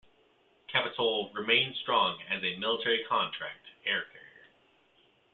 Capitol remained strong as a military contract air carrier.